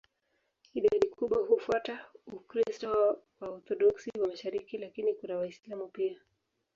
Idadi kubwa hufuata Ukristo wa Waorthodoksi wa mashariki, lakini kuna Waislamu pia.